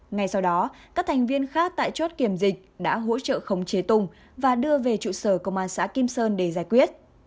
ngay sau đó các thành viên khác tại chốt kiểm dịch đã hỗ trợ khống chế tùng và đưa về trụ sở công an xã kim sơn để giải quyết